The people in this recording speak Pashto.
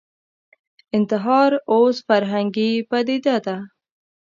انتحار اوس فرهنګي پدیده ده